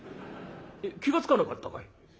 気が付かなかったかい？」。